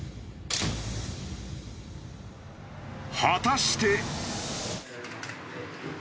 果たして。